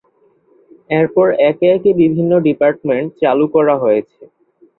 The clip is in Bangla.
এরপর একে একে বিভিন্ন ডিপার্টমেন্ট চালু করা হয়েছে।